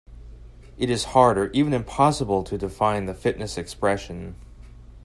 It is hard or even impossible to define the fitness expression.